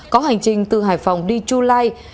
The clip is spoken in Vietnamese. có hành trình từ hải phòng đi chu lai